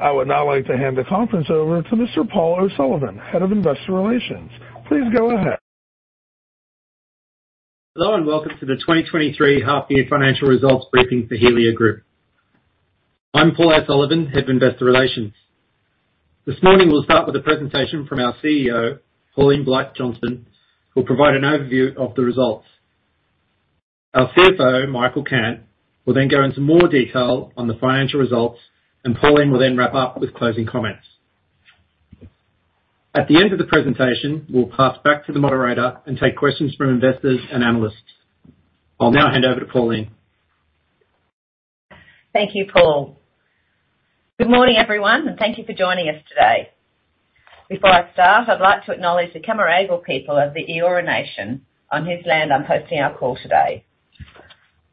I would now like to hand the conference over to Mr. Paul O'Sullivan, Head of Investor Relations. Please go ahead. Hello, and welcome to the 2023 half year financial results briefing for Helia Group. I'm Paul O'Sullivan, Head of Investor Relations. This morning, we'll start with a presentation from our CEO, Pauline Blight-Johnston, who'll provide an overview of the results. Our CFO, Michael Cant, will then go into more detail on the financial results. Pauline will then wrap up with closing comments. At the end of the presentation, we'll pass back to the moderator and take questions from investors and analysts. I'll now hand over to Pauline. Thank you, Paul. Good morning, everyone, and thank you for joining us today. Before I start, I'd like to acknowledge the Cammeraygal people of the Eora Nation, on whose land I'm hosting our call today.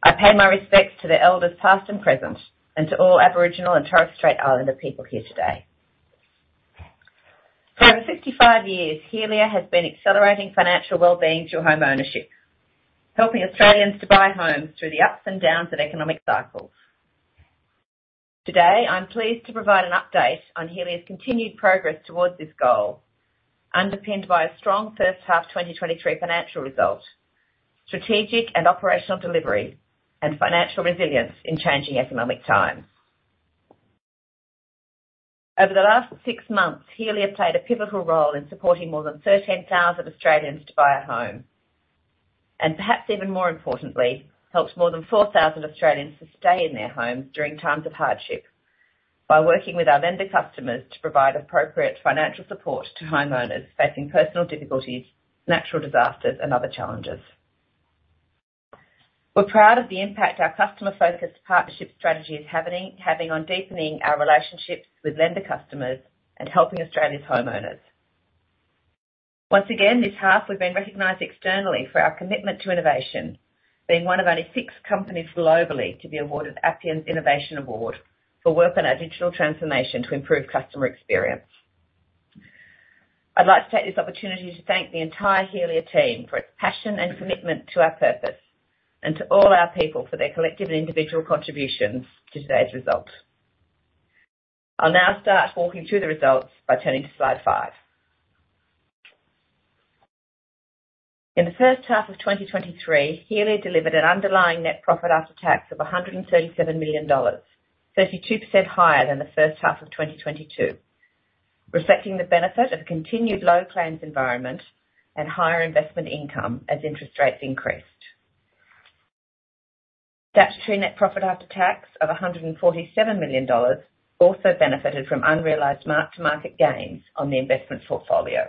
I pay my respects to the elders, past and present, and to all Aboriginal and Torres Strait Islander people here today. For over 65 years, Helia has been accelerating financial well-being through homeownership, helping Australians to buy homes through the ups and downs of economic cycles. Today, I'm pleased to provide an update on Helia's continued progress towards this goal, underpinned by a strong first half 2023 financial result, strategic and operational delivery, and financial resilience in changing economic times. Over the last six months, Helia played a pivotal role in supporting more than 13,000 Australians to buy a home, and perhaps even more importantly, helped more than 4,000 Australians to stay in their homes during times of hardship by working with our lender customers to provide appropriate financial support to homeowners facing personal difficulties, natural disasters, and other challenges. We're proud of the impact our customer-focused partnership strategy is having on deepening our relationships with lender customers and helping Australia's homeowners. Once again, this half, we've been recognized externally for our commitment to innovation, being one of only six companies globally to be awarded Appian Innovation Award for work on our digital transformation to improve customer experience. I'd like to take this opportunity to thank the entire Helia team for its passion and commitment to our purpose and to all our people for their collective and individual contributions to today's results. I'll now start walking through the results by turning to slide 5. In the first half of 2023, Helia delivered an underlying net profit after tax of 137 million dollars, 32% higher than the first half of 2022, reflecting the benefit of a continued low claims environment and higher investment income as interest rates increased. Statutory net profit after tax of 147 million dollars also benefited from unrealized mark-to-market gains on the investment portfolio.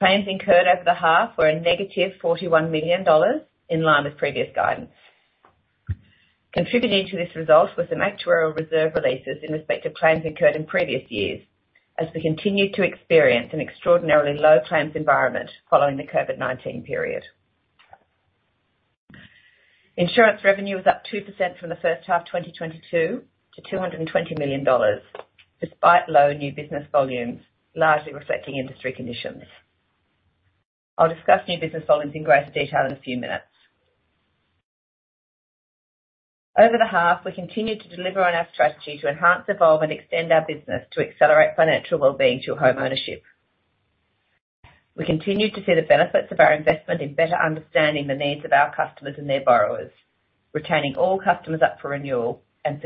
Claims incurred over the half were -41 million dollars, in line with previous guidance. Contributing to this result were some actuarial reserve releases in respect of claims incurred in previous years, as we continued to experience an extraordinarily low claims environment following the COVID-19 period. Insurance revenue was up 2% from the first half 2022 to 220 million dollars, despite low new business volumes, largely reflecting industry conditions. I'll discuss new business volumes in greater detail in a few minutes. Over the half, we continued to deliver on our strategy to enhance, evolve, and extend our business to accelerate financial well-being through homeownership. We continued to see the benefits of our investment in better understanding the needs of our customers and their borrowers, retaining all customers up for renewal and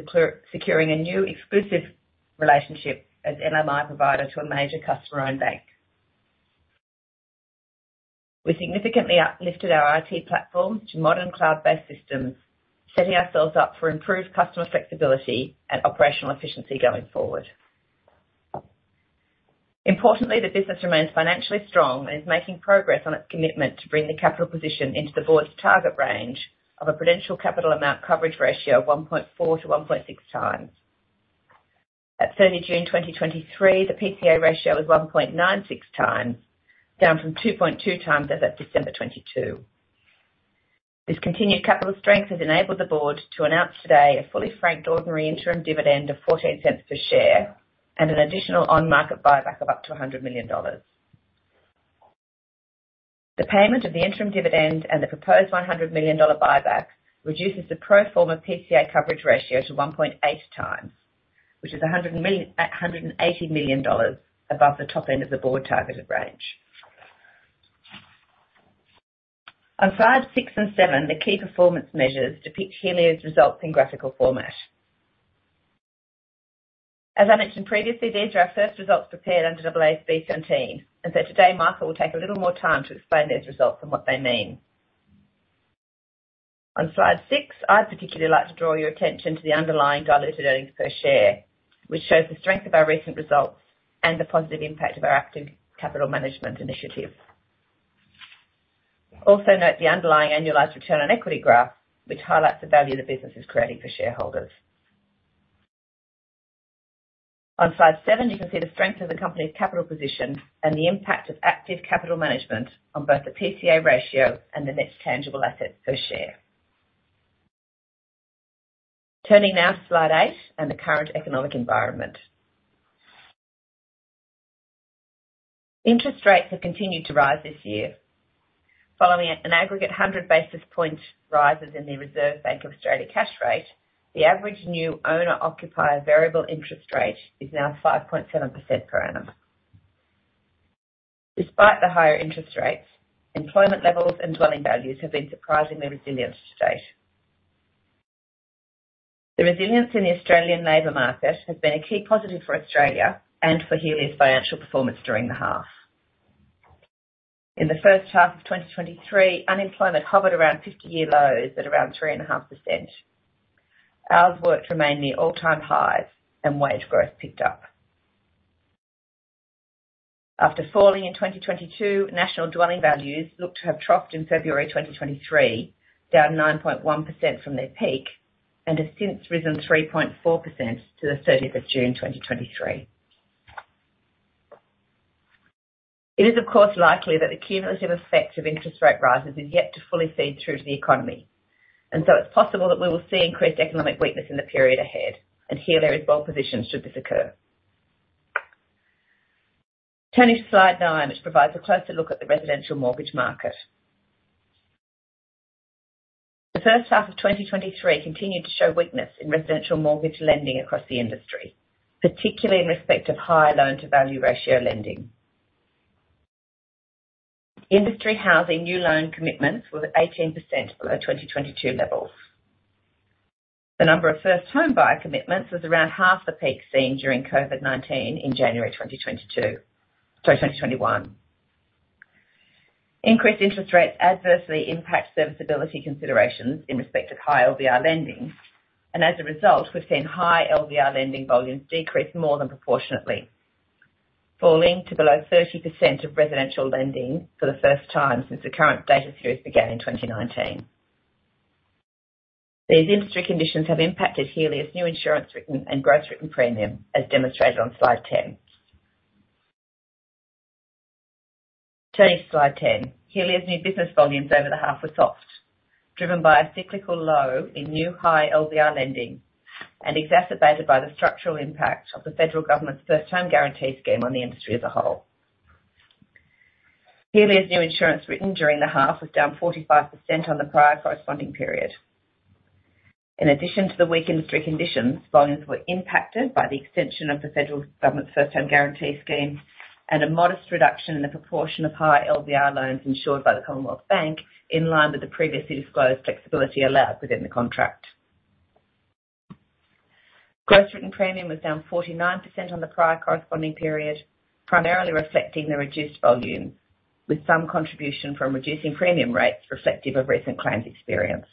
securing a new exclusive relationship as LMI provider to a major customer-owned bank. We significantly uplifted our IT platform to modern cloud-based systems, setting ourselves up for improved customer flexibility and operational efficiency going forward. Importantly, the business remains financially strong and is making progress on its commitment to bring the capital position into the board's target range of a Prudential Capital Amount coverage ratio of 1.4-1.6 times. At 30 June 2023, the PCA ratio is 1.96 times, down from 2.2 times as at December 2022. This continued capital strength has enabled the board to announce today a fully franked ordinary interim dividend of 0.14 per share and an additional on-market buyback of up to 100 million dollars. The payment of the interim dividend and the proposed 100 million dollar buyback reduces the pro forma PCA coverage ratio to 1.8 times, which is 180 million dollars above the top end of the board targeted range. On slides 6 and 7, the key performance measures depict Helia's results in graphical format. As I mentioned previously, these are our first results prepared under AASB 17. Today, Michael will take a little more time to explain these results and what they mean. On slide 6, I'd particularly like to draw your attention to the underlying diluted earnings per share, which shows the strength of our recent results and the positive impact of our active capital management initiative. Also, note the underlying annualized return on equity graph, which highlights the value the business is creating for shareholders. On slide 7, you can see the strength of the company's capital position and the impact of active capital management on both the PCA ratio and the net tangible assets per share. Turning now to slide 8 and the current economic environment. Interest rates have continued to rise this year. Following an aggregate 100 basis point rises in the Reserve Bank of Australia cash rate, the average new owner-occupier variable interest rate is now 5.7% per annum. Despite the higher interest rates, employment levels and dwelling values have been surprisingly resilient to date. The resilience in the Australian labor market has been a key positive for Australia and for Helia's financial performance during the half. In the first half of 2023, unemployment hovered around 50-year lows at around 3.5%. Hours worked remained near all-time highs, and wage growth picked up. After falling in 2022, national dwelling values looked to have troughed in February 2023, down 9.1% from their peak, has since risen 3.4% to the 30th of June, 2023. It is, of course, likely that the cumulative effect of interest rate rises is yet to fully feed through to the economy, so it's possible that we will see increased economic weakness in the period ahead, Helia is well-positioned should this occur. Turning to slide 9, which provides a closer look at the residential mortgage market. The first half of 2023 continued to show weakness in residential mortgage lending across the industry, particularly in respect of higher loan-to-value ratio lending. Industry housing new loan commitments were 18% below 2022 levels. The number of first-time buyer commitments was around half the peak seen during COVID-19 in January 2022. Sorry, 2021. Increased interest rates adversely impact serviceability considerations in respect of high LVR lending. As a result, we've seen high LVR lending volumes decrease more than proportionately, falling to below 30% of residential lending for the first time since the current data series began in 2019. These industry conditions have impacted Helia's new insurance written and gross written premium, as demonstrated on slide 10. Turning to slide 10. Helia's new business volumes over the half were soft, driven by a cyclical low in new high LVR lending and exacerbated by the structural impact of the federal government's First Home Guarantee on the industry as a whole. Helia's new insurance written during the half was down 45% on the prior corresponding period. In addition to the weak industry conditions, volumes were impacted by the extension of the federal government's First Home Guarantee and a modest reduction in the proportion of high LVR loans insured by the Commonwealth Bank, in line with the previously disclosed flexibility allowed within the contract. Gross written premium was down 49% on the prior corresponding period, primarily reflecting the reduced volume, with some contribution from reducing premium rates reflective of recent claims experience.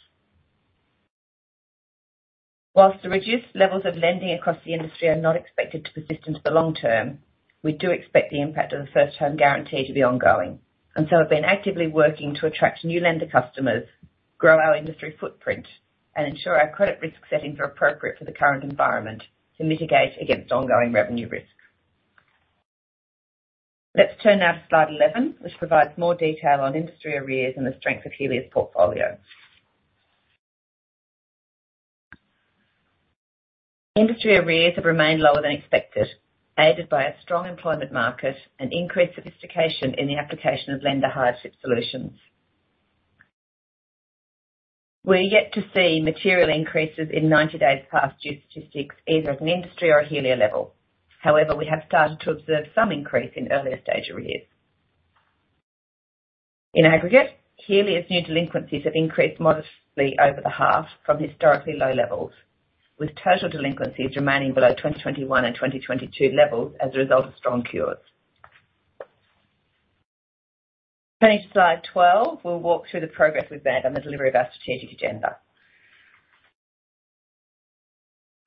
Whilst the reduced levels of lending across the industry are not expected to persist into the long term, we do expect the impact of the First Home Guarantee to be ongoing, and so have been actively working to attract new lender customers, grow our industry footprint, and ensure our credit risk settings are appropriate for the current environment to mitigate against ongoing revenue risk. Let's turn now to slide 11, which provides more detail on industry arrears and the strength of Helia's portfolio. Industry arrears have remained lower than expected, aided by a strong employment market and increased sophistication in the application of lender hardship solutions. We are yet to see material increases in 90 days past due statistics, either at an industry or a Helia level. However, we have started to observe some increase in earlier stage arrears. In aggregate, Helia's new delinquencies have increased modestly over the half from historically low levels, with total delinquencies remaining below 2021 and 2022 levels as a result of strong cures. Turning to slide 12, we'll walk through the progress we've made on the delivery of our strategic agenda.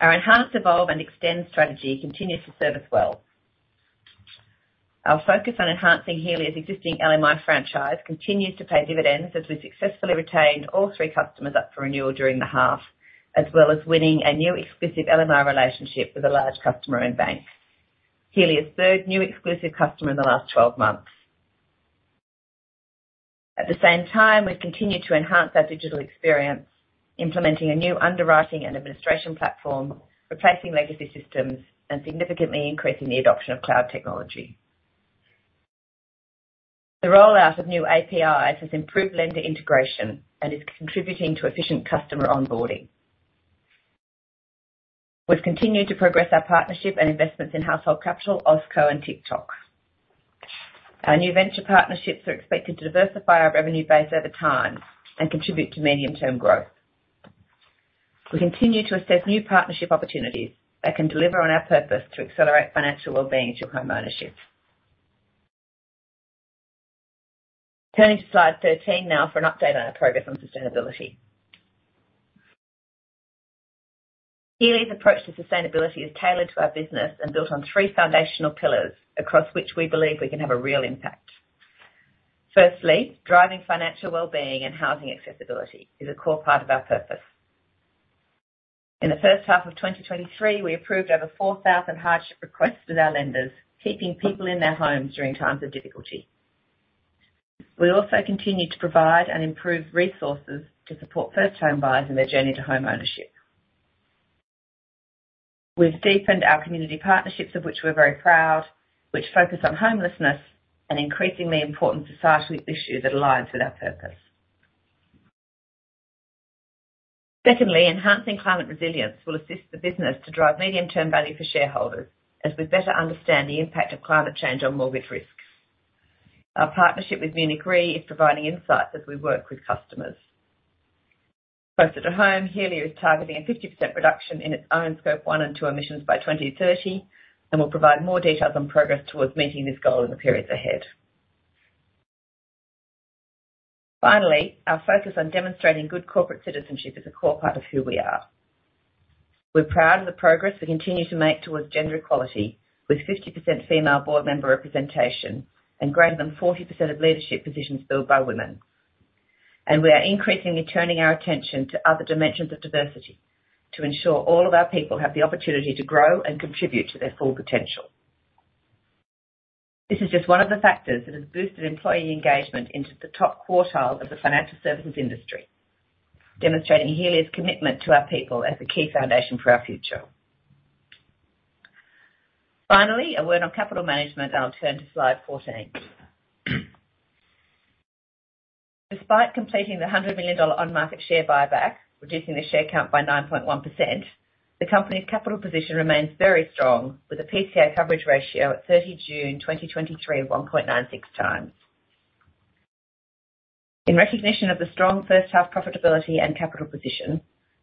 Our enhanced evolve and extend strategy continues to serve us well. Our focus on enhancing Helia's existing LMI franchise continues to pay dividends, as we successfully retained all 3 customers up for renewal during the half, as well as winning a new exclusive LMI relationship with a large customer-owned bank, Helia's third new exclusive customer in the last 12 months. At the same time, we've continued to enhance our digital experience, implementing a new underwriting and administration platform, replacing legacy systems, and significantly increasing the adoption of cloud technology. The rollout of new APIs has improved lender integration and is contributing to efficient customer onboarding. We've continued to progress our partnership and investments in Household Capital, OSQO, and Tic:Toc. Our new venture partnerships are expected to diversify our revenue base over time and contribute to medium-term growth. We continue to assess new partnership opportunities that can deliver on our purpose to accelerate financial wellbeing through homeownership. Turning to slide 13 now for an update on our progress on sustainability. Helia's approach to sustainability is tailored to our business and built on 3 foundational pillars across which we believe we can have a real impact. Firstly, driving financial wellbeing and housing accessibility is a core part of our purpose. In the 1st half of 2023, we approved over 4,000 hardship requests with our lenders, keeping people in their homes during times of difficulty. We also continued to provide and improve resources to support first-time buyers in their journey to homeownership.... We've deepened our community partnerships of which we're very proud, which focus on homelessness, an increasingly important societal issue that aligns with our purpose. Secondly, enhancing climate resilience will assist the business to drive medium-term value for shareholders as we better understand the impact of climate change on mortgage risks. Our partnership with Munich Re is providing insights as we work with customers. Closer to home, Helia is targeting a 50% reduction in its own Scope 1 and 2 emissions by 2030. We'll provide more details on progress towards meeting this goal in the periods ahead. Finally, our focus on demonstrating good corporate citizenship is a core part of who we are. We're proud of the progress we continue to make towards gender equality, with 50% female board member representation and greater than 40% of leadership positions filled by women. We are increasingly turning our attention to other dimensions of diversity to ensure all of our people have the opportunity to grow and contribute to their full potential. This is just one of the factors that has boosted employee engagement into the top quartile of the financial services industry, demonstrating Helia's commitment to our people as a key foundation for our future. Finally, a word on capital management, and I'll turn to slide 14. Despite completing the 100 million dollar on-market share buyback, reducing the share count by 9.1%, the company's capital position remains very strong, with a PCA coverage ratio at 30 June 2023 of 1.96 times. In recognition of the strong first half profitability and capital position,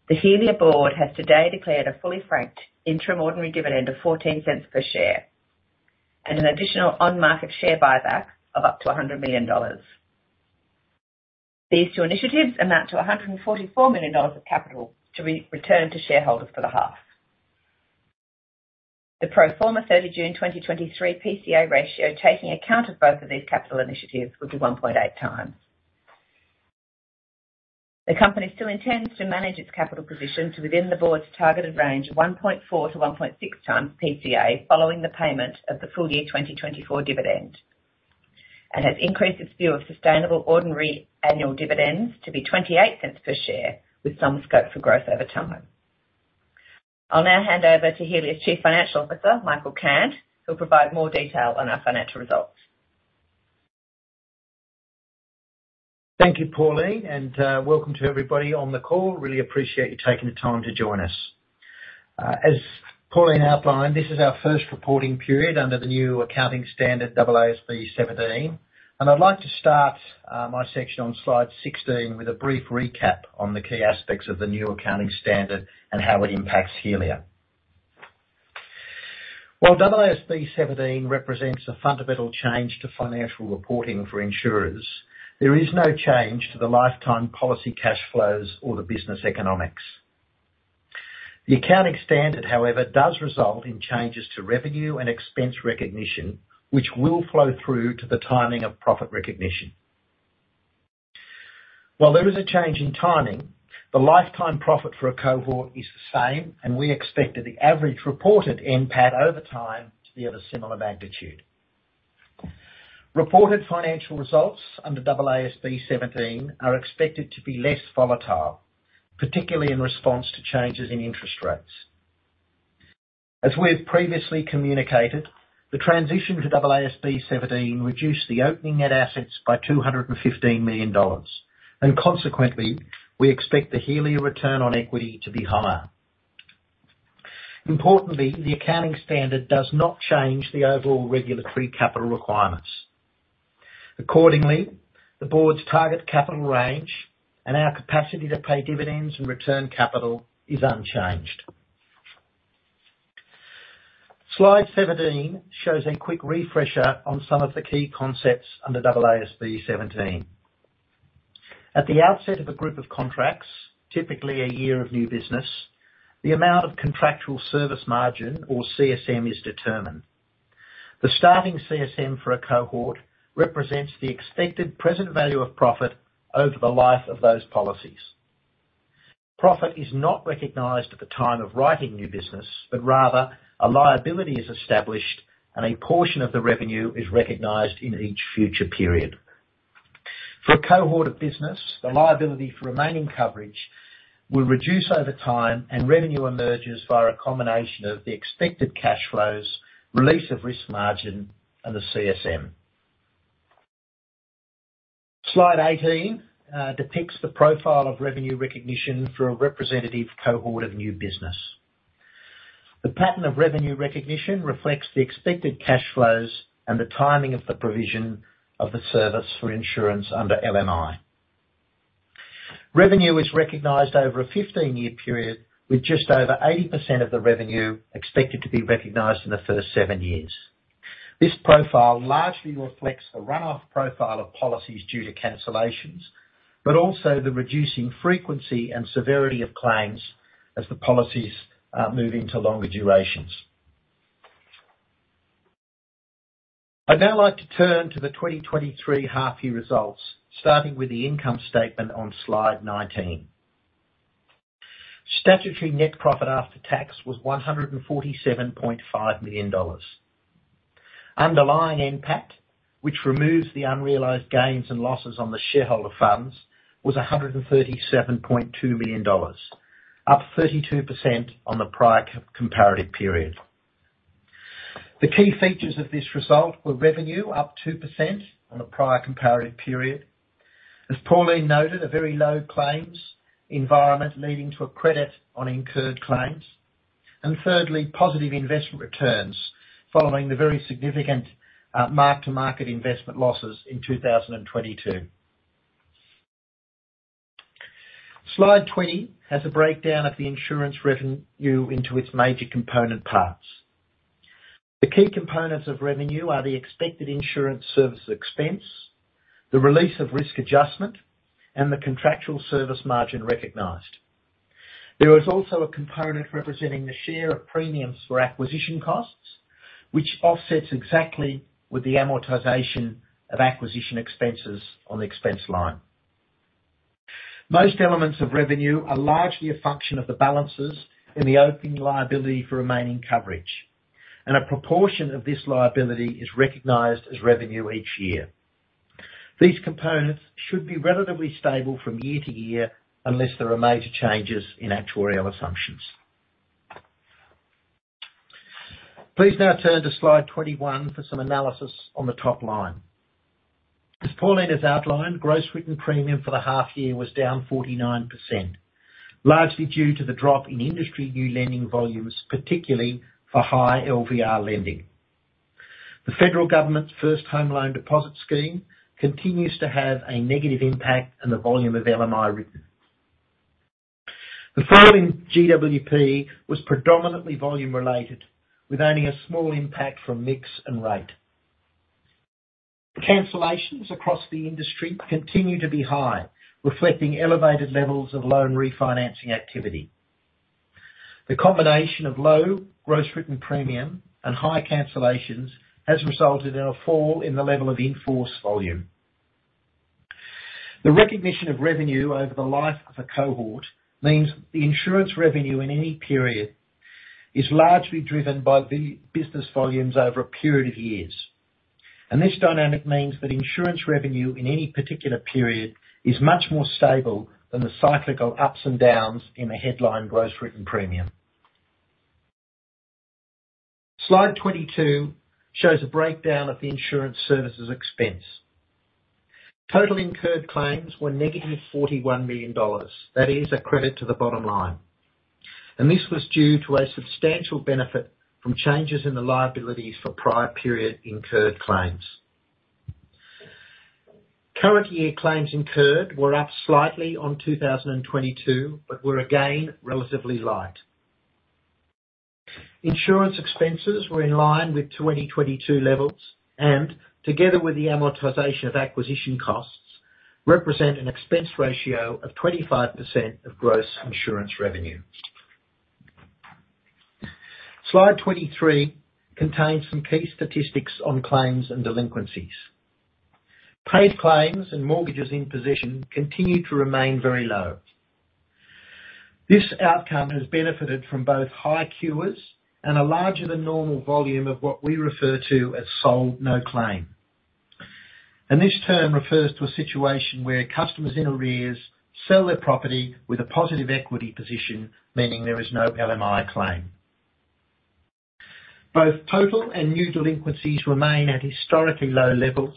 the Helia board has today declared a fully franked interim ordinary dividend of 0.14 per share and an additional on-market share buyback of up to 100 million dollars. These two initiatives amount to 144 million dollars of capital to be returned to shareholders for the half. The pro forma 30 June 2023 PCA ratio, taking account of both of these capital initiatives, would be 1.8 times. The company still intends to manage its capital position to within the board's targeted range of 1.4-1.6 times PCA, following the payment of the full year 2024 dividend, and has increased its view of sustainable ordinary annual dividends to be 0.28 per share, with some scope for growth over time. I'll now hand over to Helia's Chief Financial Officer, Michael Cant, who'll provide more detail on our financial results. Thank you, Pauline, and welcome to everybody on the call. Really appreciate you taking the time to join us. As Pauline outlined, this is our first reporting period under the new accounting standard, AASB 17. I'd like to start my section on slide 16 with a brief recap on the key aspects of the new accounting standard and how it impacts Helia. While AASB 17 represents a fundamental change to financial reporting for insurers, there is no change to the lifetime policy, cash flows, or the business economics. The accounting standard, however, does result in changes to revenue and expense recognition, which will flow through to the timing of profit recognition. While there is a change in timing, the lifetime profit for a cohort is the same. We expect that the average reported NPAT over time to be of a similar magnitude. Reported financial results under AASB 17 are expected to be less volatile, particularly in response to changes in interest rates. As we have previously communicated, the transition to AASB 17 reduced the opening net assets by 215 million dollars, and consequently, we expect the Helia return on equity to be higher. Importantly, the accounting standard does not change the overall regulatory capital requirements. Accordingly, the board's target capital range and our capacity to pay dividends and return capital is unchanged. Slide 17 shows a quick refresher on some of the key concepts under AASB 17. At the outset of a group of contracts, typically a year of new business, the amount of contractual service margin or CSM is determined. The starting CSM for a cohort represents the expected present value of profit over the life of those policies. Profit is not recognized at the time of writing new business, but rather a liability is established, and a portion of the revenue is recognized in each future period. For a cohort of business, the liability for remaining coverage will reduce over time, and revenue emerges via a combination of the expected cash flows, release of risk margin, and the CSM. Slide 18 depicts the profile of revenue recognition for a representative cohort of new business. The pattern of revenue recognition reflects the expected cash flows and the timing of the provision of the service for insurance under LMI. Revenue is recognized over a 15-year period, with just over 80% of the revenue expected to be recognized in the first seven years. This profile largely reflects the run-off profile of policies due to cancellations, but also the reducing frequency and severity of claims as the policies move into longer durations. I'd now like to turn to the 2023 half year results, starting with the income statement on slide 19. Statutory net profit after tax was 147.5 million dollars. underlying NPAT, which removes the unrealized gains and losses on the shareholder funds, was 137.2 million dollars, up 32% on the prior comparative period. The key features of this result were revenue, up 2% on the prior comparative period. As Pauline noted, a very low claims environment, leading to a credit on incurred claims, and thirdly, positive investment returns following the very significant mark-to-market investment losses in 2022. Slide 20 has a breakdown of the insurance revenue into its major component parts. The key components of revenue are the expected insurance service expense, the release of risk adjustment, and the contractual service margin recognized. There is also a component representing the share of premiums for acquisition costs, which offsets exactly with the amortization of acquisition expenses on the expense line. Most elements of revenue are largely a function of the balances in the opening liability for remaining coverage, and a proportion of this liability is recognized as revenue each year. These components should be relatively stable from year to year, unless there are major changes in actuarial assumptions. Please now turn to slide 21 for some analysis on the top line. As Pauline has outlined, gross written premium for the half year was down 49%, largely due to the drop in industry new lending volumes, particularly for high LVR lending. The federal government's First Home Loan Deposit Scheme continues to have a negative impact on the volume of LMI written. The fall in GWP was predominantly volume-related, with only a small impact from mix and rate. Cancellations across the industry continue to be high, reflecting elevated levels of loan refinancing activity. The combination of low gross written premium and high cancellations has resulted in a fall in the level of in-force volume. The recognition of revenue over the life of a cohort means the insurance revenue in any period is largely driven by the business volumes over a period of years. This dynamic means that insurance revenue in any particular period is much more stable than the cyclical ups and downs in the headline gross written premium. Slide 22 shows a breakdown of the insurance services expense. Total incurred claims were -41 million dollars. That is a credit to the bottom line, and this was due to a substantial benefit from changes in the liabilities for prior period incurred claims. Current year claims incurred were up slightly on 2022, but were again relatively light. Insurance expenses were in line with 2022 levels, and together with the amortization of acquisition costs, represent an expense ratio of 25% of gross insurance revenue. Slide 23 contains some key statistics on claims and delinquencies. Paid claims and mortgages in possession continue to remain very low. This outcome has benefited from both high cures and a larger than normal volume of what we refer to as sold no claim. This term refers to a situation where customers in arrears sell their property with a positive equity position, meaning there is no LMI claim. Both total and new delinquencies remain at historically low levels,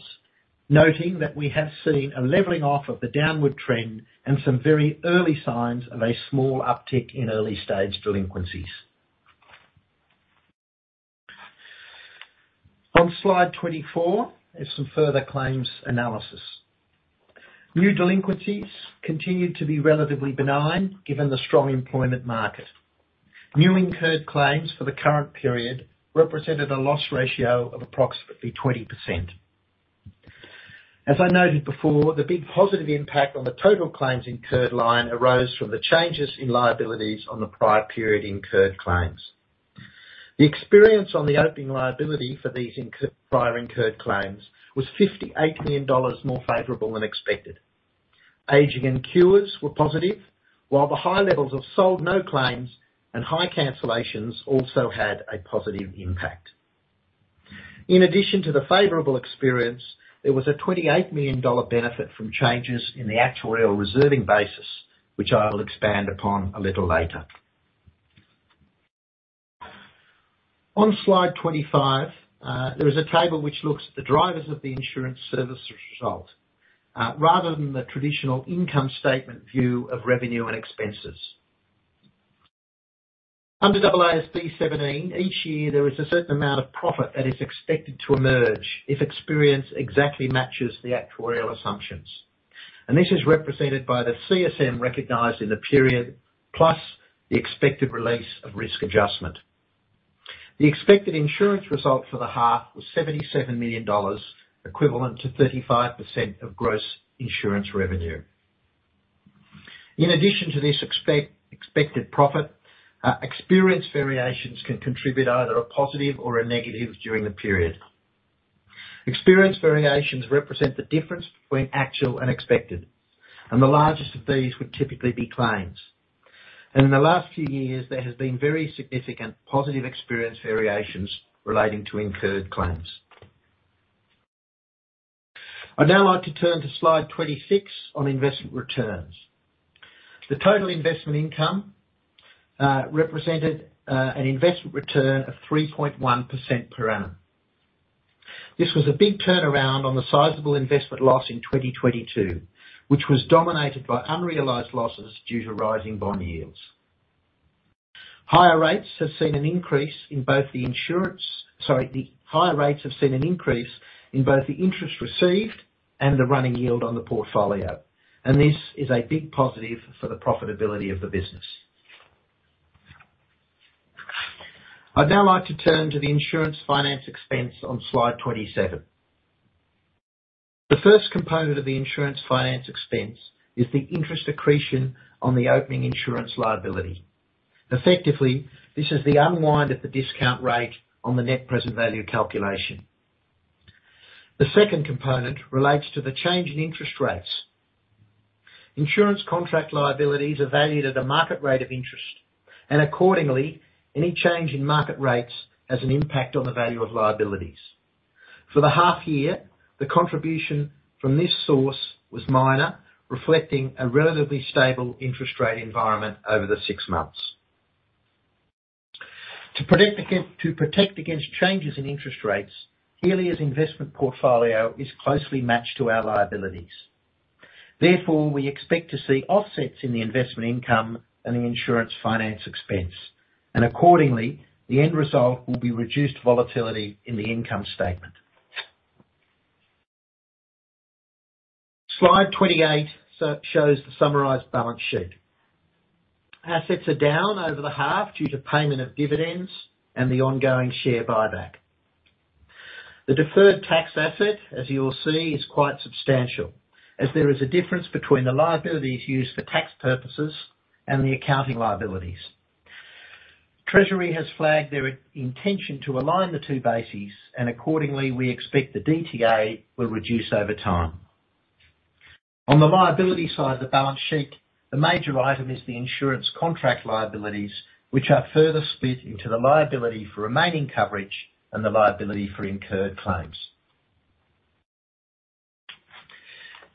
noting that we have seen a leveling off of the downward trend and some very early signs of a small uptick in early-stage delinquencies. On slide 24 is some further claims analysis. New delinquencies continued to be relatively benign, given the strong employment market. New incurred claims for the current period represented a loss ratio of approximately 20%. As I noted before, the big positive impact on the total claims incurred line arose from the changes in liabilities on the prior period incurred claims. The experience on the opening liability for these prior incurred claims was 58 million dollars more favorable than expected. Aging and cures were positive, while the high levels of sold no claims and high cancellations also had a positive impact. In addition to the favorable experience, there was a 28 million dollar benefit from changes in the actuarial reserving basis, which I will expand upon a little later. On slide 25, there is a table which looks at the drivers of the insurance service result, rather than the traditional income statement view of revenue and expenses. Under AASB 17, each year there is a certain amount of profit that is expected to emerge if experience exactly matches the actuarial assumptions, and this is represented by the CSM recognized in the period, plus the expected release of risk adjustment. The expected insurance result for the half was 77 million dollars, equivalent to 35% of gross insurance revenue. In addition to this expected profit, experience variations can contribute either a positive or a negative during the period. Experience variations represent the difference between actual and expected, the largest of these would typically be claims. In the last few years, there has been very significant positive experience variations relating to incurred claims. I'd now like to turn to slide 26 on investment returns. The total investment income represented an investment return of 3.1% per annum. This was a big turnaround on the sizable investment loss in 2022, which was dominated by unrealized losses due to rising bond yields. Higher rates have seen an increase in both the interest received and the running yield on the portfolio, and this is a big positive for the profitability of the business. I'd now like to turn to the insurance finance expense on slide 27. The first component of the insurance finance expense is the interest accretion on the opening insurance liability. Effectively, this is the unwind of the discount rate on the net present value calculation. The second component relates to the change in interest rates. Insurance contract liabilities are valued at a market rate of interest, and accordingly, any change in market rates has an impact on the value of liabilities. For the half year, the contribution from this source was minor, reflecting a relatively stable interest rate environment over the six months. To protect against changes in interest rates, Helia's investment portfolio is closely matched to our liabilities. Therefore, we expect to see offsets in the investment income and the insurance finance expense. Accordingly, the end result will be reduced volatility in the income statement. Slide 28 shows the summarized balance sheet. Assets are down over the half due to payment of dividends and the ongoing share buyback. The deferred tax asset, as you will see, is quite substantial, as there is a difference between the liabilities used for tax purposes and the accounting liabilities. Treasury has flagged their intention to align the two bases. Accordingly, we expect the DTA will reduce over time. On the liability side of the balance sheet, the major item is the insurance contract liabilities, which are further split into the liability for remaining coverage and the liability for incurred claims.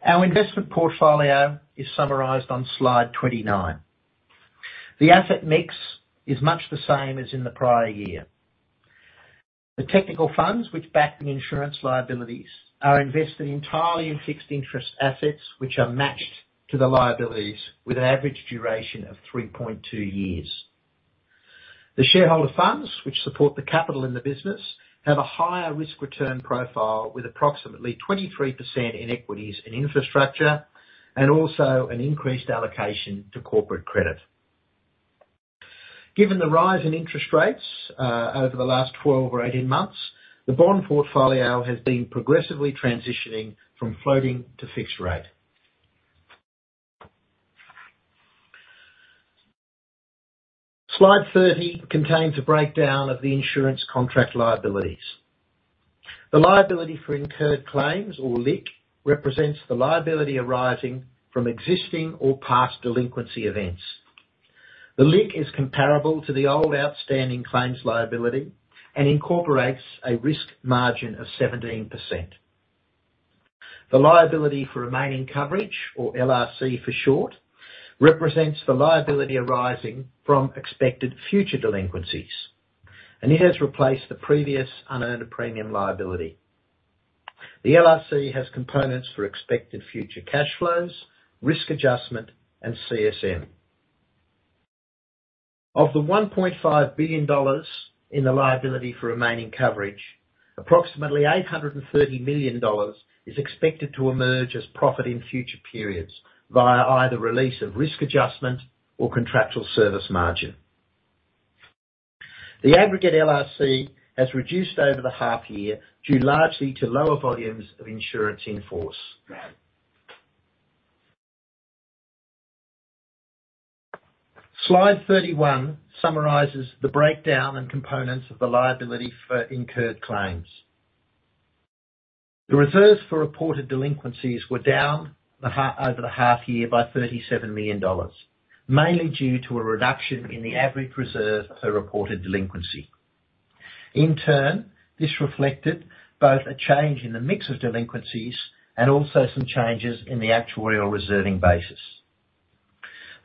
Our investment portfolio is summarized on slide 29. The asset mix is much the same as in the prior year. The technical funds, which back the insurance liabilities, are invested entirely in fixed interest assets, which are matched to the liabilities with an average duration of 3.2 years. The shareholder funds, which support the capital in the business, have a higher risk-return profile, with approximately 23% in equities and infrastructure, and also an increased allocation to corporate credit. Given the rise in interest rates, over the last 12 or 18 months, the bond portfolio has been progressively transitioning from floating to fixed rate. Slide 30 contains a breakdown of the insurance contract liabilities. The liability for incurred claims, or LIC, represents the liability arising from existing or past delinquency events. The LIC is comparable to the old outstanding claims liability and incorporates a risk margin of 17%. The liability for remaining coverage, or LRC for short, represents the liability arising from expected future delinquencies, and it has replaced the previous unearned premium liability. The LRC has components for expected future cash flows, risk adjustment, and CSM. Of the 1.5 billion dollars in the liability for remaining coverage, approximately 830 million dollars is expected to emerge as profit in future periods via either release of risk adjustment or contractual service margin. The aggregate LRC has reduced over the half year, due largely to lower volumes of insurance in force. Slide 31 summarizes the breakdown and components of the liability for incurred claims. The reserves for reported delinquencies were down over the half year by 37 million dollars, mainly due to a reduction in the average reserve per reported delinquency. In turn, this reflected both a change in the mix of delinquencies and also some changes in the actuarial reserving basis.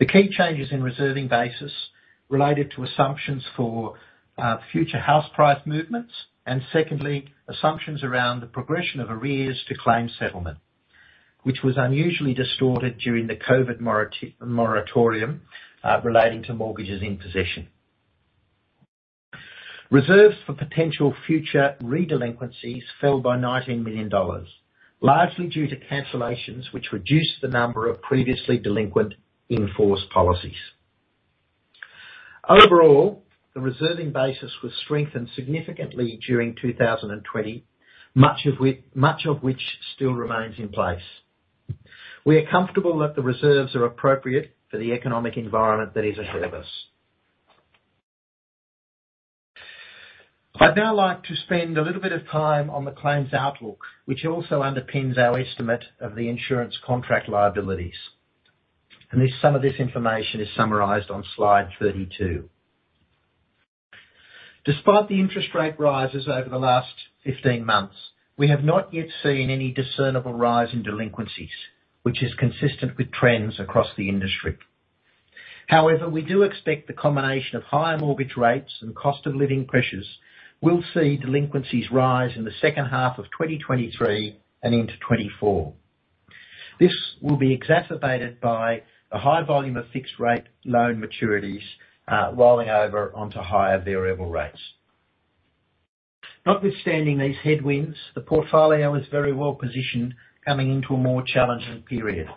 The key changes in reserving basis related to assumptions for future house price movements, and secondly, assumptions around the progression of arrears to claim settlement, which was unusually distorted during the COVID moratorium relating to mortgages in possession. Reserves for potential future re-delinquencies fell by 19 million dollars, largely due to cancellations, which reduced the number of previously delinquent in-force policies. Overall, the reserving basis was strengthened significantly during 2020, much of which still remains in place. We are comfortable that the reserves are appropriate for the economic environment that is ahead of us. I'd now like to spend a little bit of time on the claims outlook, which also underpins our estimate of the insurance contract liabilities. This, some of this information is summarized on slide 32. Despite the interest rate rises over the last 15 months, we have not yet seen any discernible rise in delinquencies, which is consistent with trends across the industry. However, we do expect the combination of higher mortgage rates and cost of living pressures will see delinquencies rise in the second half of 2023 and into 2024. This will be exacerbated by a high volume of fixed rate loan maturities, rolling over onto higher variable rates. Notwithstanding these headwinds, the portfolio is very well positioned coming into a more challenging period.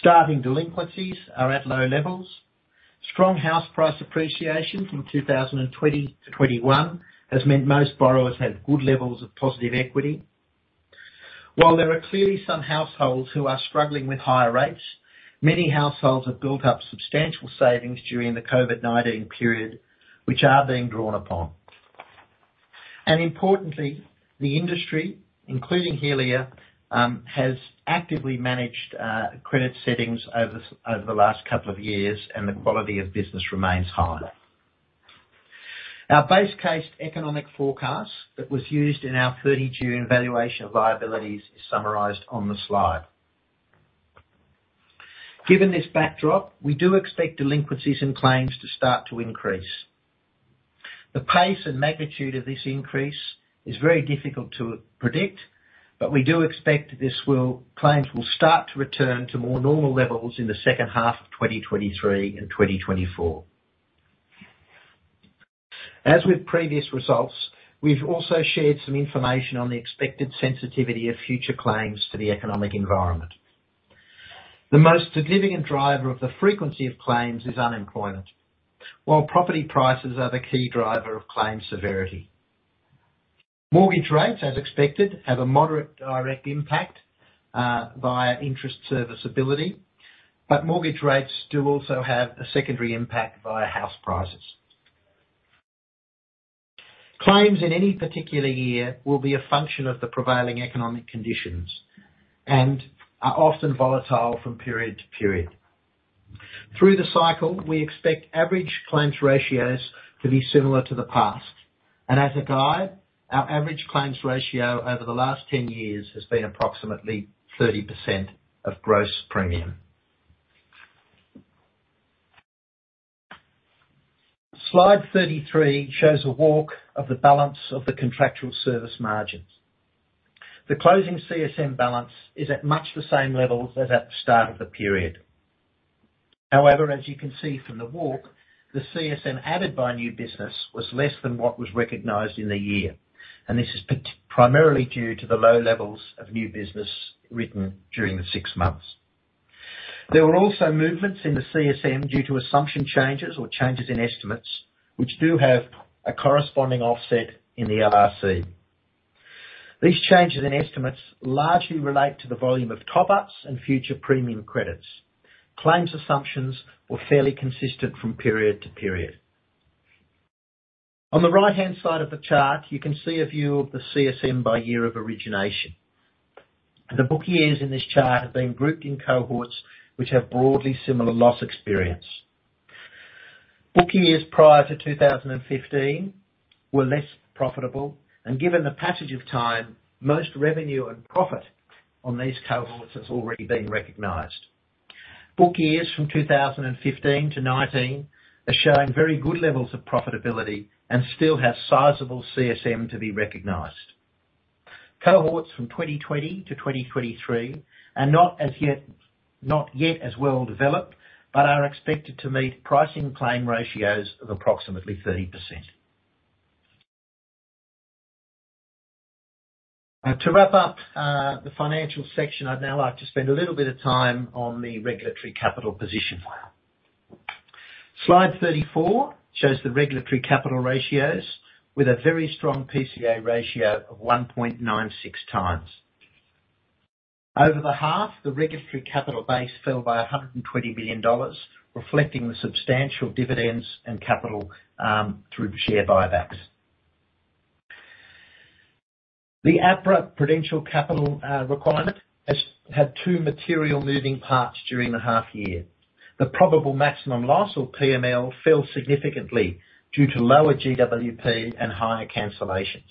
Starting delinquencies are at low levels. Strong house price appreciation from 2020 to 2021 has meant most borrowers have good levels of positive equity. While there are clearly some households who are struggling with higher rates, many households have built up substantial savings during the COVID-19 period, which are being drawn upon. Importantly, the industry, including Helia, has actively managed credit settings over the last couple of years, and the quality of business remains high. Our base case economic forecast that was used in our 30 June valuation of liabilities is summarized on the slide. Given this backdrop, we do expect delinquencies and claims to start to increase. The pace and magnitude of this increase is very difficult to predict, but we do expect claims will start to return to more normal levels in the second half of 2023 and 2024. As with previous results, we've also shared some information on the expected sensitivity of future claims to the economic environment. The most significant driver of the frequency of claims is unemployment, while property prices are the key driver of claims severity. Mortgage rates, as expected, have a moderate direct impact via interest serviceability, but mortgage rates do also have a secondary impact via house prices. Claims in any particular year will be a function of the prevailing economic conditions and are often volatile from period to period. Through the cycle, we expect average claims ratios to be similar to the past, and as a guide, our average claims ratio over the last 10 years has been approximately 30% of gross premium. Slide 33 shows a walk of the balance of the contractual service margins. The closing CSM balance is at much the same level as at the start of the period. However, as you can see from the walk, the CSM added by new business was less than what was recognized in the year, and this is primarily due to the low levels of new business written during the six months. There were also movements in the CSM due to assumption changes or changes in estimates, which do have a corresponding offset in the LRC. These changes in estimates largely relate to the volume of top-ups and future premium credits. Claims assumptions were fairly consistent from period to period. On the right-hand side of the chart, you can see a view of the CSM by year of origination. The book years in this chart have been grouped in cohorts which have broadly similar loss experience. Book years prior to 2015 were less profitable. Given the passage of time, most revenue and profit on these cohorts has already been recognized. Book years from 2015 to 2019 are showing very good levels of profitability and still have sizable CSM to be recognized. Cohorts from 2020 to 2023 are not yet as well developed, are expected to meet pricing claim ratios of approximately 30%. To wrap up the financial section, I'd now like to spend a little bit of time on the regulatory capital position. Slide 34 shows the regulatory capital ratios with a very strong PCA ratio of 1.96x. Over the half, the regulatory capital base fell by 120 million dollars, reflecting the substantial dividends and capital through the share buybacks. The APRA Prudential Capital requirement has had two material moving parts during the half year. The probable maximum loss, or PML, fell significantly due to lower GWP and higher cancellations.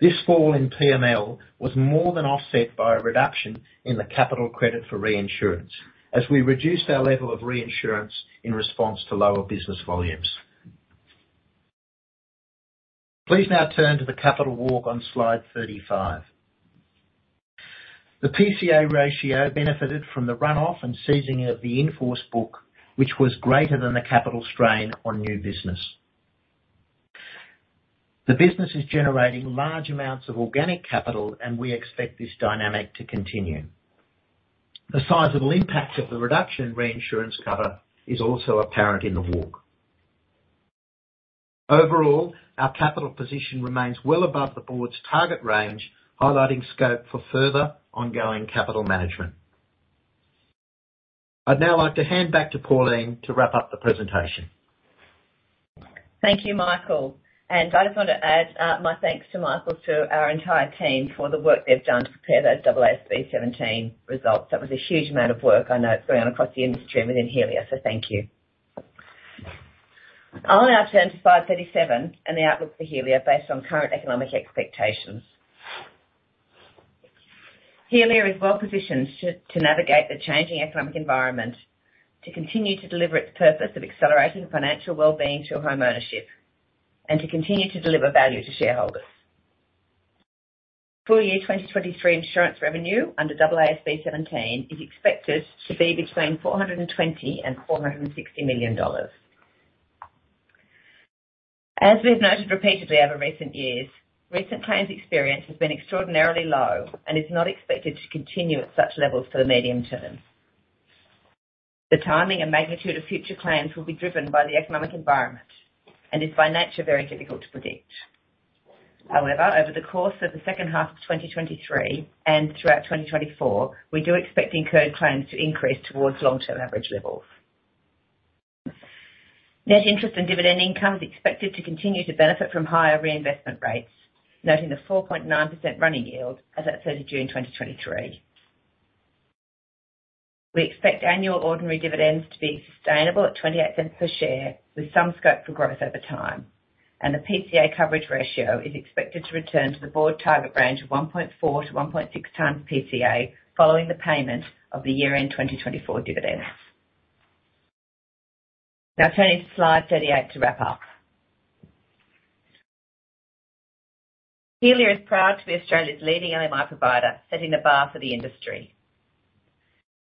This fall in PML was more than offset by a reduction in the capital credit for reinsurance, as we reduced our level of reinsurance in response to lower business volumes. Please now turn to the capital walk on slide 35. The PCA ratio benefited from the runoff and ceasing of the in-force book, which was greater than the capital strain on new business. The business is generating large amounts of organic capital, and we expect this dynamic to continue. The sizable impact of the reduction in reinsurance cover is also apparent in the walk. Overall, our capital position remains well above the board's target range, highlighting scope for further ongoing capital management. I'd now like to hand back to Pauline to wrap up the presentation. Thank you, Michael. I just want to add my thanks to Michael, to our entire team for the work they've done to prepare those AASB 17 results. That was a huge amount of work, I know, going on across the industry and within Helia, so thank you. I'll now turn to slide 37 and the outlook for Helia, based on current economic expectations. Helia is well positioned to navigate the changing economic environment, to continue to deliver its purpose of accelerating financial well-being through homeownership, and to continue to deliver value to shareholders. Full year 2023 insurance revenue under AASB 17 is expected to be between 420 million and 460 million dollars. As we've noted repeatedly over recent years, recent claims experience has been extraordinarily low and is not expected to continue at such levels for the medium term. The timing and magnitude of future claims will be driven by the economic environment and is, by nature, very difficult to predict. However, over the course of the second half of 2023 and throughout 2024, we do expect incurred claims to increase towards long-term average levels. Net interest and dividend income is expected to continue to benefit from higher reinvestment rates, noting the 4.9% running yield as at 30 June 2023. We expect annual ordinary dividends to be sustainable at 0.28 per share, with some scope for growth over time, and the PCA coverage ratio is expected to return to the board target range of 1.4-1.6 times PCA, following the payment of the year-end 2024 dividends. Now turning to slide 38 to wrap up. Helia is proud to be Australia's leading LMI provider, setting the bar for the industry.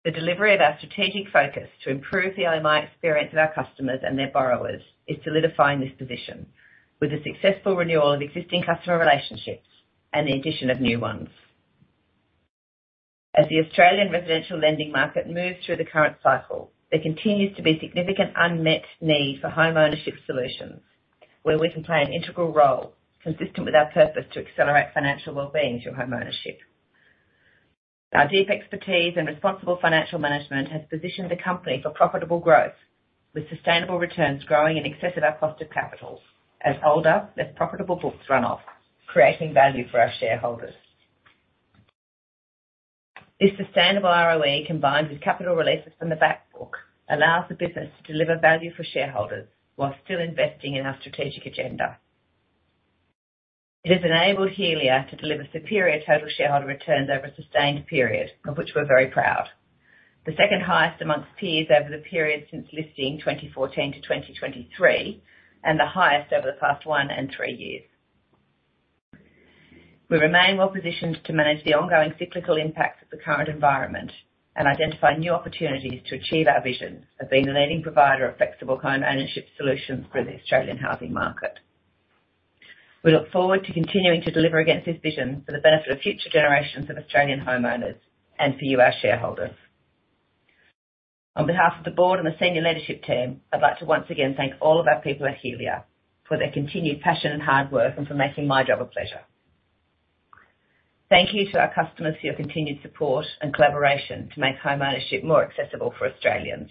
The delivery of our strategic focus to improve the LMI experience of our customers and their borrowers is solidifying this position, with the successful renewal of existing customer relationships and the addition of new ones. As the Australian residential lending market moves through the current cycle, there continues to be significant unmet need for homeownership solutions, where we can play an integral role consistent with our purpose to accelerate financial well-being through homeownership. Our deep expertise and responsible financial management has positioned the company for profitable growth, with sustainable returns growing in excess of our cost of capital as older, less profitable books run off, creating value for our shareholders. This sustainable ROE, combined with capital releases from the back book, allows the business to deliver value for shareholders while still investing in our strategic agenda. It has enabled Helia to deliver superior total shareholder returns over a sustained period, of which we're very proud. The second highest amongst peers over the period since listing 2014 to 2023, and the highest over the past one and three years. We remain well positioned to manage the ongoing cyclical impacts of the current environment and identify new opportunities to achieve our vision of being the leading provider of flexible homeownership solutions for the Australian housing market. We look forward to continuing to deliver against this vision for the benefit of future generations of Australian homeowners and for you, our shareholders. On behalf of the board and the senior leadership team, I'd like to once again thank all of our people at Helia for their continued passion and hard work, and for making my job a pleasure. Thank you to our customers for your continued support and collaboration to make homeownership more accessible for Australians.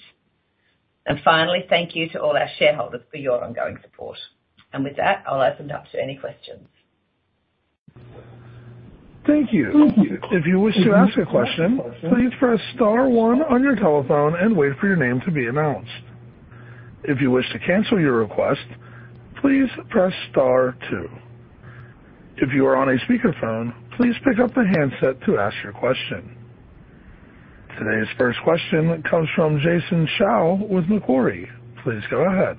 Finally, thank you to all our shareholders for your ongoing support. With that, I'll open it up to any questions. Thank you. If you wish to ask a question, please press star one on your telephone and wait for your name to be announced. If you wish to cancel your request, please press star two. If you are on a speakerphone, please pick up the handset to ask your question. Today's first question comes from Jason Shao with Macquarie. Please go ahead.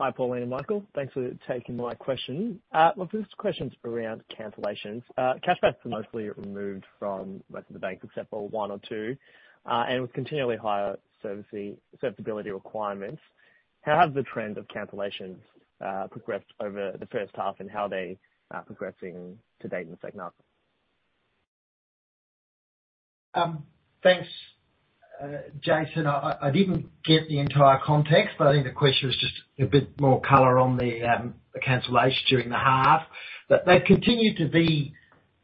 Hi, Pauline and Michael. Thanks for taking my question. Well, this question's around cancellations. Cashbacks are mostly removed from most of the banks, except for one or two. With continually higher serviceability requirements, how have the trends of cancellations progressed over the first half, and how are they progressing to date in the second half? Thanks, Jason. I, I didn't get the entire context, but I think the question is just a bit more color on the cancellations during the half. They've continued to be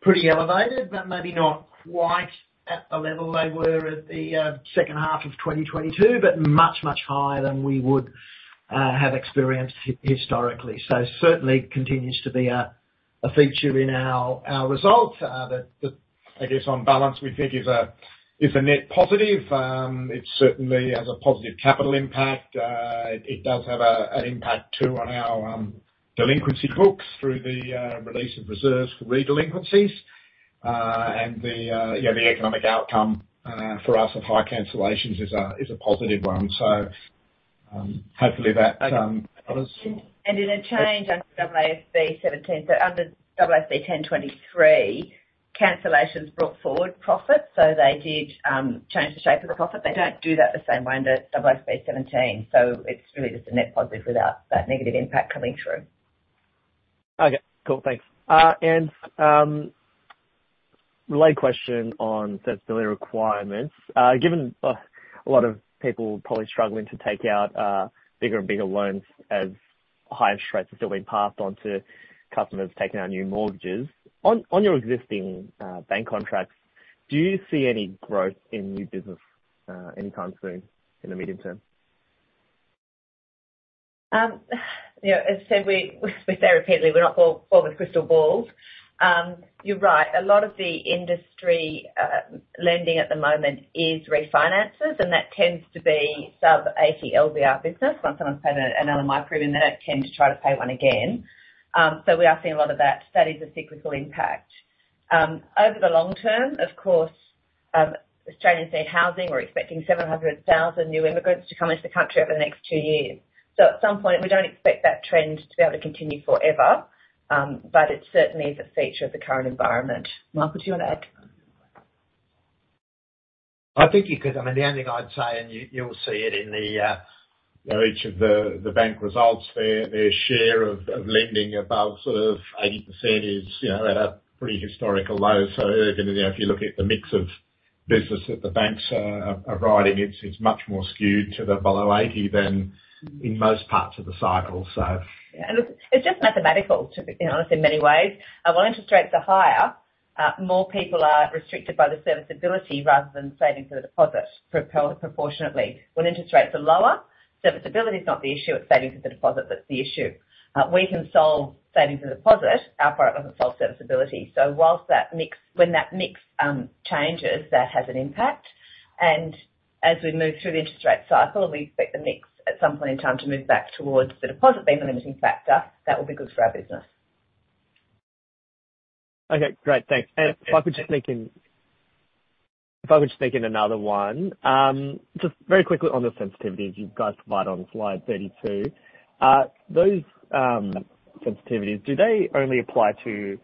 pretty elevated, but maybe not quite at the level they were at the second half of 2022, but much, much higher than we would have experienced historically. Certainly continues to be a feature in our results that, that I guess on balance, we think is a net positive. It certainly has a positive capital impact. It does have an impact too, on our delinquency books through the release of reserves for delinquencies. The, yeah, the economic outcome for us with high cancellations is a positive one. Hopefully that helps. Did a change under AASB 17. Under AASB 1023, cancellations brought forward profits, so they did, change the shape of the profit. They don't do that the same way under AASB 17, it's really just a net positive without that negative impact coming through. Okay, cool. Thanks. Related question on serviceability requirements. Given a lot of people probably struggling to take out bigger and bigger loans as higher rates are still being passed on to customers taking out new mortgages, on, on your existing bank contracts, do you see any growth in new business anytime soon in the medium term? You know, as I said, we, we say repeatedly, we're not born, born with crystal balls. You're right. A lot of the industry, lending at the moment is refinances, and that tends to be sub-80 LVR business. Once someone's had an LMI approved, and they don't tend to try to pay one again. We are seeing a lot of that. That is a cyclical impact. Over the long term, of course, Australian state housing, we're expecting 700,000 new immigrants to come into the country over the next 2 years. At some point, we don't expect that trend to be able to continue forever, but it certainly is a feature of the current environment. Michael, do you want to add? I think you could... I mean, the only thing I'd say, and you, you'll see it in the, you know, each of the, the bank results, their, their share of, of lending above sort of 80% is, you know, at a pretty historical low. Again, you know, if you look at the mix of business that the banks are, are riding, it's, it's much more skewed to the below 80 than in most parts of the cycle, so. Yeah, it's, it's just mathematical, to be honest, in many ways. When interest rates are higher, more people are restricted by the serviceability rather than savings for the deposit, proportionately. When interest rates are lower, serviceability is not the issue, it's savings for the deposit, that's the issue. We can solve savings and deposit, our product doesn't solve serviceability. When that mix changes, that has an impact. As we move through the interest rate cycle, we expect the mix, at some point in time, to move back towards the deposit being the limiting factor. That will be good for our business. Okay, great. Thanks. If I could just sneak in, if I could just sneak in another one. Just very quickly on the sensitivities you guys provided on slide 32. Those sensitivities, do they only apply to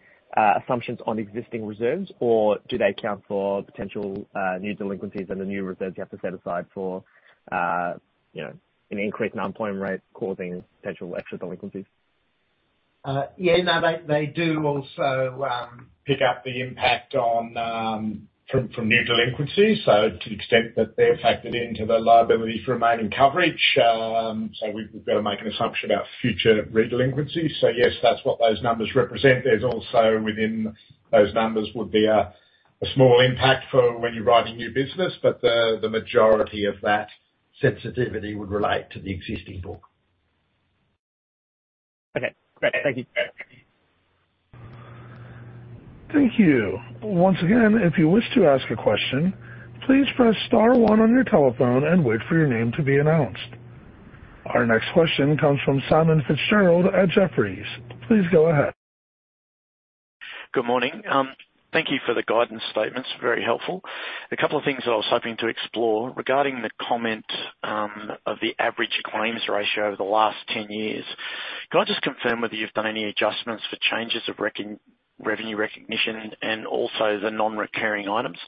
assumptions on existing reserves, or do they account for potential new delinquencies and the new reserves you have to set aside for, you know, an increased non-employment rate causing potential extra delinquencies? Yeah, no, they, they do also pick up the impact on from new delinquencies. To the extent that they're factored into the liabilities remaining coverage, so we've, we've got to make an assumption about future re-delinquencies. Yes, that's what those numbers represent. There's also, within those numbers, would be a small impact for when you're writing new business, but the majority of that sensitivity would relate to the existing book. Okay, great. Thank you. Thank you. Once again, if you wish to ask a question, please press star one on your telephone and wait for your name to be announced. Our next question comes from Simon Fitzgerald at Jefferies. Please go ahead. Good morning. Thank you for the guidance statements, very helpful. A couple of things I was hoping to explore regarding the comment of the average claims ratio over the last 10 years. Can I just confirm whether you've done any adjustments for changes of revenue recognition and also the non-recurring items?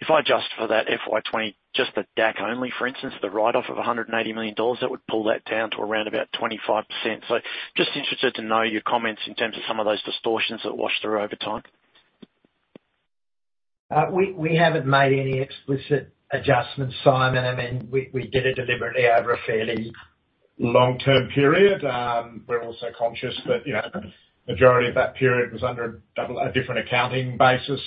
If I adjust for that FY 2020, just the DAC only, for instance, the write-off of 180 million dollars, that would pull that down to around about 25%. Just interested to know your comments in terms of some of those distortions that wash through over time. We, we haven't made any explicit adjustments, Simon. I mean, we, we did it deliberately over a fairly long-term period. We're also conscious that, you know, the majority of that period was under a double- a different accounting basis.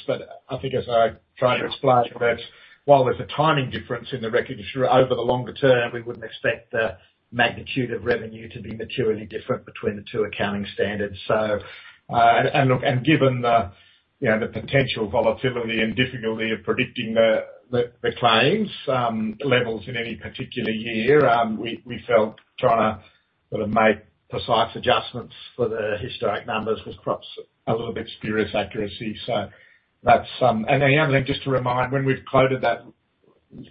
I think as I tried to explain, that while there's a timing difference in the recognition, over the longer term, we wouldn't expect the magnitude of revenue to be materially different between the two accounting standards. And look, and given the, you know, the potential volatility and difficulty of predicting the, the, the claims, levels in any particular year, we, we felt trying to sort of make precise adjustments for the historic numbers was perhaps a little bit spurious accuracy. That's. The other thing, just to remind, when we've quoted that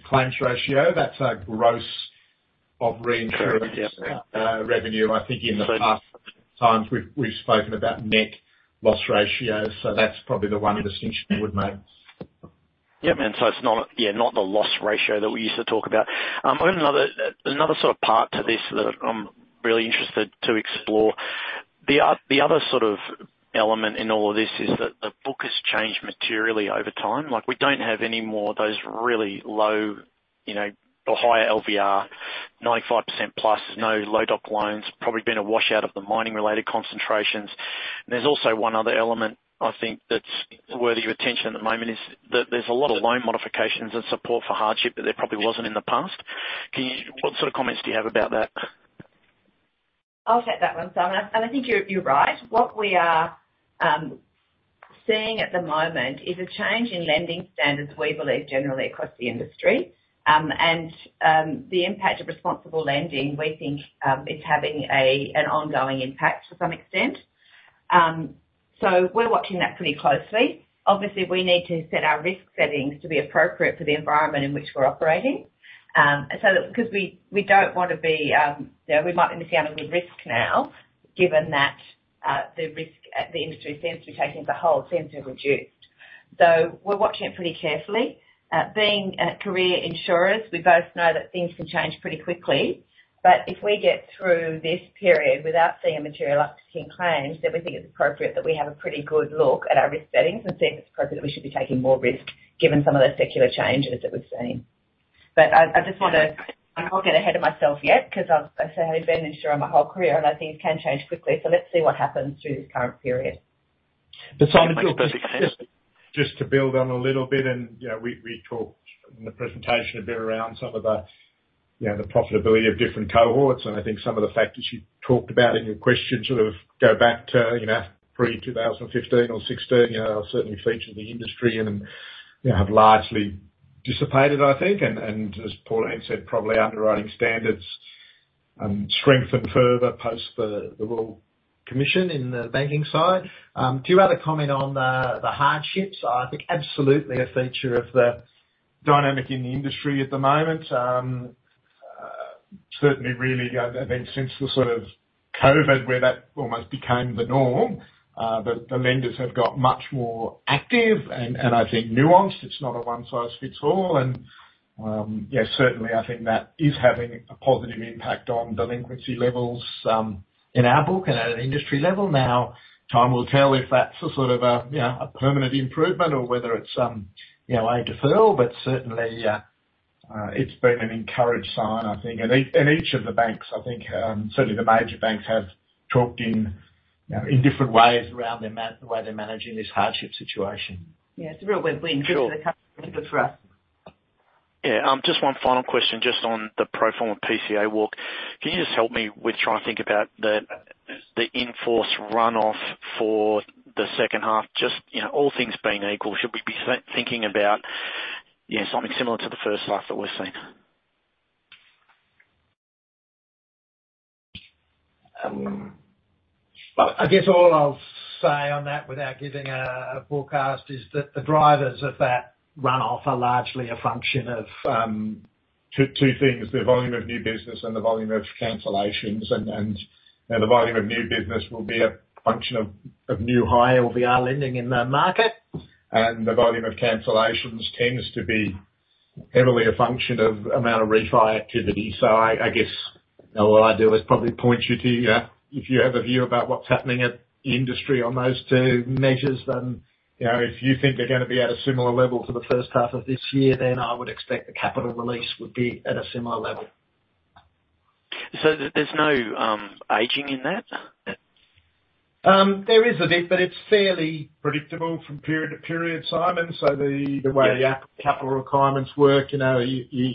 claims ratio, that's a gross of reinsurance, revenue. I think in the past times we've spoken about net loss ratios, so that's probably the one distinction we've made. Yeah, and so it's not, yeah, not the loss ratio that we used to talk about. I've got another, another sort of part to this that I'm really interested to explore. The other sort of element in all of this is that the book has changed materially over time. Like, we don't have any more of those really low, you know, or higher LVR, 95% plus, no low-doc loans, probably been a wash out of the mining related concentrations. There's also one other element, I think, that's worthy of attention at the moment, is that there's a lot of loan modifications and support for hardship that there probably wasn't in the past. What sort of comments do you have about that? I'll take that one, Simon. I think you're, you're right. What we are seeing at the moment is a change in lending standards, we believe, generally across the industry. The impact of responsible lending, we think, is having a, an ongoing impact to some extent. We're watching that pretty closely. Obviously, we need to set our risk settings to be appropriate for the environment in which we're operating. That-- because we, we don't want to be, you know, we might be missing out on good risk now, given that the risk at the industry seems to be taking as a whole, seems to have reduced. We're watching it pretty carefully. Being career insurers, we both know that things can change pretty quickly. If we get through this period without seeing a material uptick in claims, then we think it's appropriate that we have a pretty good look at our risk settings and see if it's appropriate that we should be taking more risk, given some of the secular changes that we've seen. I, I just want to, I won't get ahead of myself yet because I, I say I've been in insurance my whole career, and I think it can change quickly. Let's see what happens through this current period. Simon, to build on a little bit, and, you know, we talked in the presentation a bit around some of the profitability of different cohorts, and I think some of the factors you talked about in your question sort of go back to pre-2015 or 2016, you know, certainly feature the industry and, you know, have largely dissipated, I think. As Pauline said, probably underwriting standards strengthened further post the Royal Commission in the banking side. To your other comment on the hardships, I think absolutely a feature of the dynamic in the industry at the moment. Certainly really, I mean, since the sort of COVID, where that almost became the norm, the lenders have got much more active and I think nuanced. It's not a one-size-fits-all. Yeah, certainly, I think that is having a positive impact on delinquency levels in our book and at an industry level. Time will tell if that's a sort of a, you know, a permanent improvement or whether it's, you know, a deferral. Certainly, it's been an encouraged sign, I think. Each, and each of the banks, I think, certainly the major banks, have talked in, you know, in different ways around the way they're managing this hardship situation. Yeah, it's a real win-win- Sure. for us. Yeah, just 1 final question, just on the pro forma PCA walk. Can you just help me with trying to think about the, the in-force run-off for the second half? Just, you know, all things being equal, should we be thinking about, yeah, something similar to the first half that we're seeing? Well, I guess all I'll say on that, without giving a, a forecast, is that the drivers of that run-off are largely a function of 2, 2 things: the volume of new business and the volume of cancellations. You know, the volume of new business will be a function of, of new hire LVR lending in the market, and the volume of cancellations tends to be heavily a function of amount of refi activity. I, I guess all I'd do is probably point you to, if you have a view about what's happening at the industry on those 2 measures, then, you know, if you think they're gonna be at a similar level to the 1st half of this year, then I would expect the capital release would be at a similar level. There's no, aging in that? There is a bit, but it's fairly predictable from period to period, Simon. The way the capital requirements work, you know, you, you,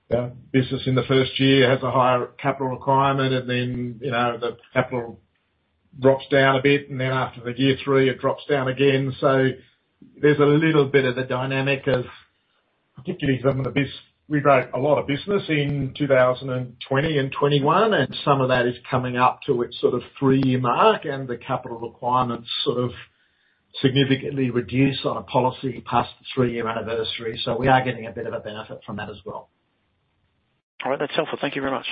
you, business in the first year has a higher capital requirement, and then, you know, the capital drops down a bit, and then after the year three, it drops down again. There's a little bit of a dynamic of... Particularly from the business we wrote a lot of business in 2020 and 2021, and some of that is coming up to its sort of 3-year mark, and the capital requirements sort of significantly reduce on a policy past the 3-year anniversary. We are getting a bit of a benefit from that as well. All right. That's helpful. Thank you very much.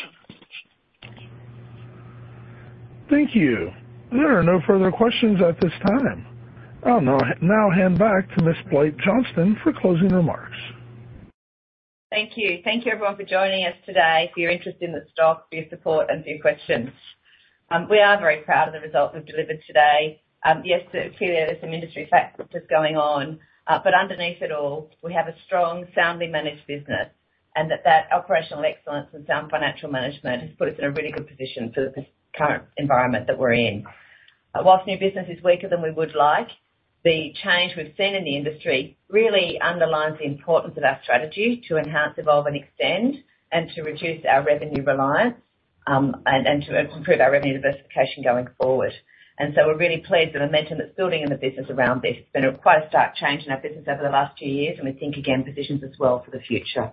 Thank you. There are no further questions at this time. I'll now hand back to Ms. Blight-Johnston for closing remarks. Thank you. Thank you, everyone, for joining us today, for your interest in the stock, for your support and your questions. We are very proud of the results we've delivered today. Yes, clearly there's some industry factors going on, underneath it all, we have a strong, soundly managed business, and that, that operational excellence and sound financial management has put us in a really good position for the current environment that we're in. Whilst new business is weaker than we would like, the change we've seen in the industry really underlines the importance of our strategy to enhance, evolve and extend, and to reduce our revenue reliance, to improve our revenue diversification going forward. So we're really pleased the momentum that's building in the business around this. It's been a quite a stark change in our business over the last 2 years, and we think, again, positions us well for the future.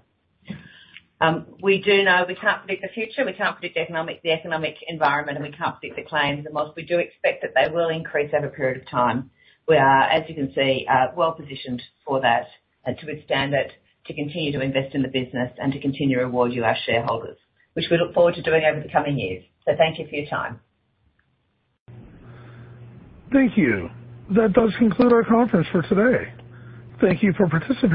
We do know we can't predict the future, we can't predict the economic, the economic environment, and we can't predict the claims. Whilst we do expect that they will increase over a period of time, we are, as you can see, well positioned for that and to withstand it, to continue to invest in the business and to continue to reward you, our shareholders, which we look forward to doing over the coming years. Thank you for your time. Thank you. That does conclude our conference for today. Thank you for participating.